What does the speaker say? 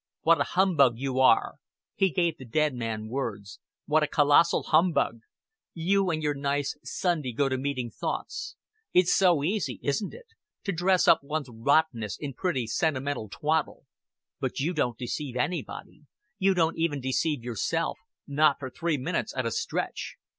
"What a humbug you are" he gave the dead man words "what a colossal humbug. You and your nice Sunday go to meeting thoughts. It's so easy, isn't it? to dress up one's rottenness in pretty sentimental twaddle. But you don't deceive anybody. You don't even deceive yourself, not for three minutes at a stretch.